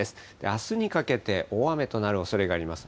あすにかけて大雨となるおそれがあります。